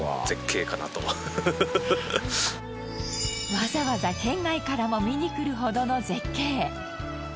わざわざ県外からも見に来るほどの絶景。